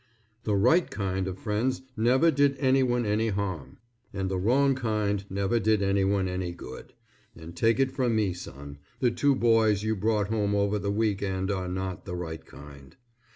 The right kind of friends never did anyone any harm, and the wrong kind never did anyone any good, and take it from me, son, the two boys you brought home over the week end are not the right kind.